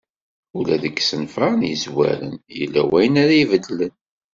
Ula deg isenfaren yezwaren yella wayen ara ibeddlen.